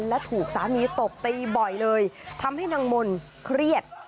และถูกสามีตบตีบ่อยเลยทำให้นางมนต์เครียด